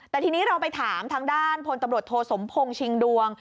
แต่ทีนี้เราไปถามทางด้านพลตำรวจโทสมพงศ์ชิงดวง